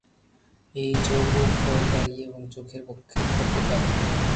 এই যৌগ ক্ষয়কারী এবং চোখের পক্ষে ক্ষতিকারক।